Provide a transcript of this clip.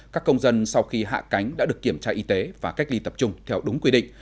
các công dân sau khi hạ cánh đã được kiểm tra y tế và cách ly tập trung theo đúng quy định